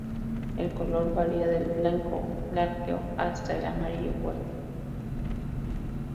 El color varía del blanco lácteo hasta el amarillo fuerte.